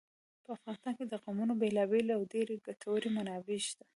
په افغانستان کې د قومونه بېلابېلې او ډېرې ګټورې منابع شته.